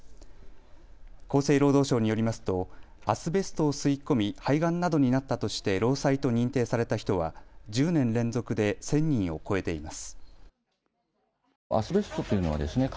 厚生労働省によりますとアスベストを吸い込み肺がんなどになったとして労災と認定された人は１０年連続で１０００人を超えています。